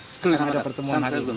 sebelumnya ada pertemuan